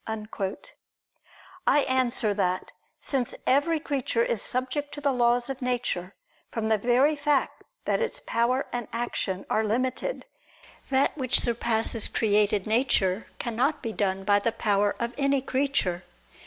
I answer that, Since every creature is subject to the laws of nature, from the very fact that its power and action are limited: that which surpasses created nature, cannot be done by the power of any creature.